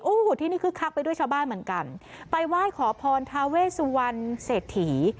โอ้โหที่นี่คึกคักไปด้วยชาวบ้านเหมือนกันไปไหว้ขอพรทาเวสุวรรณเศรษฐี